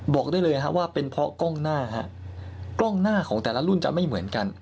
บอกได้เลยฮะว่าเป็นเพราะกล้องหน้าฮะกล้องหน้าของแต่ละรุ่นจะไม่เหมือนกัน